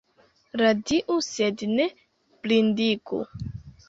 Radiu sed ne blindigu.